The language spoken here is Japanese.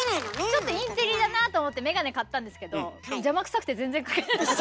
ちょっとインテリだなと思って眼鏡買ったんですけど邪魔くさくて全然かけない。